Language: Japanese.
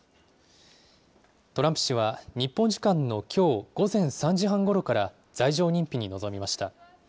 トランプ氏は、日本時間のきょう午前３時半ごろから、罪状認否に臨みました。